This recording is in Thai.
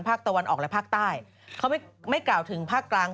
ภาคตะวันออกและภาคใต้เขาไม่กล่าวถึงภาคกลาง